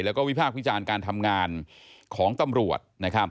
แล้วก็วิภาพวิจารณ์การทำงานของตำรวจ